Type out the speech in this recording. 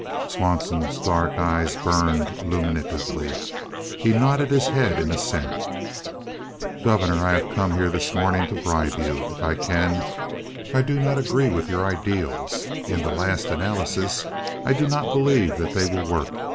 Swanson's dark eyes burned illuminatively. He nodded his head in assent. "Governor, I have come here this morning to bribe you, if I can. I do not agree with your ideals; in the last analysis I do not believe that they will work.